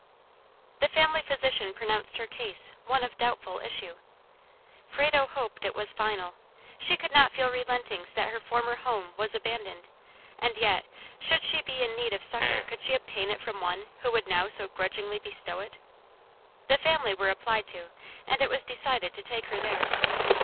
The family physician pronounced her case one of doubtful issue. Frado hoped it was final. She could not feel relentings that her former home was abandoned, and yet, should she be in need of succor could she obtain it from one who would now so grudgingly bestow it? The family were applied to, and it was decided to take her there.